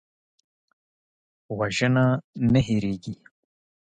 وژنه نه هېریږي